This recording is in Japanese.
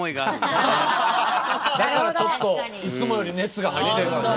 だからちょっといつもより熱が入ってんすね。